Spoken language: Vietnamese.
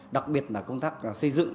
đặc biệt là công tác xây dựng